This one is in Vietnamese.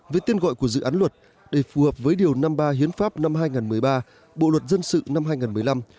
với tên gọi của dự án luật để phù hợp với điều năm mươi ba hiến pháp năm hai nghìn một mươi ba bộ luật dân sự năm hai nghìn một mươi năm